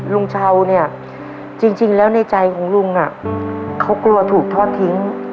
ลุงเช้าเนี่ยจริงแล้วในใจของลุงเขากลัวถูกทอดทิ้ง